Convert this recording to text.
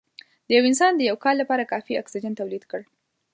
د یو انسان د یو کال لپاره کافي اکسیجن تولید کړ